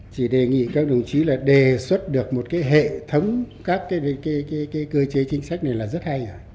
chỉ đề nghị các đồng chí đề xuất được một hệ thống các cơ chế chính sách này là rất hay